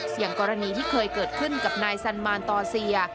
อย่างกรณีที่เคยเกิดขึ้นกับนายสันมานตอเซีย